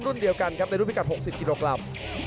รุ่นเดียวกันครับในรุ่นพิกัด๖๐กิโลกรัม